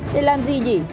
để làm gì nhỉ